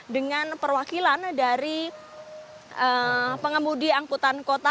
dengan perwakilan dari pengemudi angkutan kota